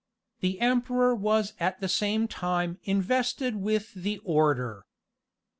The emperor was at the same time invested with the Order.